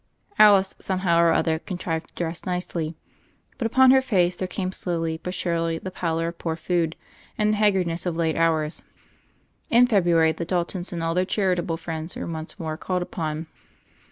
Alice, somehow or other, contrived to dress nicely, but upon her face there came slowly but surely the pallor of poor food and the hag gardness of late hours. In February the Daltons and all their chari table friends were once more called upon.